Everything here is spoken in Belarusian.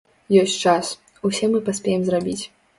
Ёсць час, усе мы паспеем зрабіць.